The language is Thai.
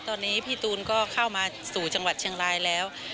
ตอนนี้พี่ตูนก็เข้ามาสู่จังหวัดเชียงรายแล้ว